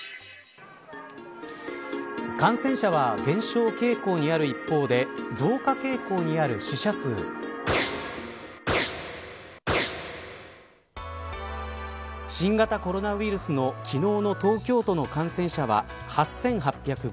感染者は減少傾向にある一方で増加傾向にある死者数新型コロナウイルスの昨日の東京都の感染者は８８０５人。